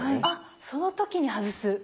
あっその時に外す！